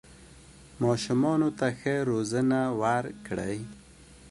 ماشومانو ته ښه روزنه ورکړئ